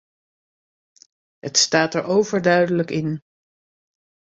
Het staat er overduidelijk in.